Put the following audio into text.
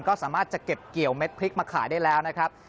ก็สามารถจะเก็บเกี่ยวเม็ดพริกมาขายได้แล้วนะครับ